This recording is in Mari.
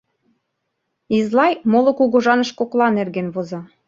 Излай моло кугыжаныш кокла нерген воза: